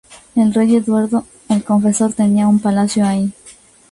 El rey Eduardo "el Confesor" tenía un palacio allí.